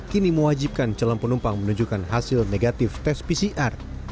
kini mewajibkan calon penumpang menunjukkan hasil negatif tes pcr